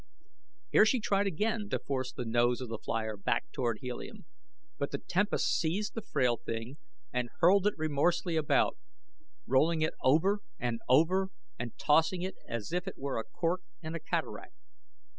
Here she tried again to force the nose of the flier back toward Helium, but the tempest seized the frail thing and hurled it remorselessly about, rolling it over and over and tossing it as it were a cork in a cataract.